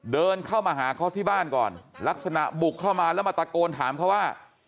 เดินเข้ามาหาเขาที่บ้านก่อนลักษณะบุกเข้ามาแล้วมาตะโกนถามเขาว่า